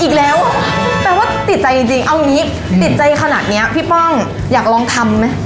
อีกแล้วแปลว่าติดใจจริงเอาอย่างนี้ติดใจขนาดนี้พี่ป้องอยากลองทำไหม